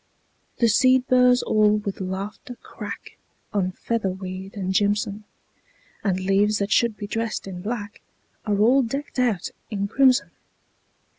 The seed burrs all with laughter crack On featherweed and jimson; And leaves that should be dressed in black Are all decked out in crimson.